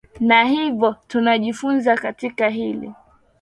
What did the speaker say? na hivyo tunajifunza katika hili